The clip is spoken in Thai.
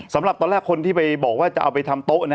สำหรับตอนแรกคนที่ไปบอกว่าจะเอาไปทำโต๊ะนะ